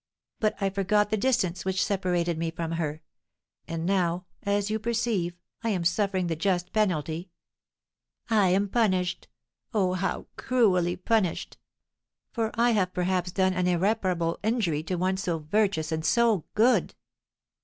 But I forgot the distance which separated me from her, and now, as you perceive, I am suffering the just penalty; I am punished oh, how cruelly punished! for I have perhaps done an irreparable injury to one so virtuous and so good."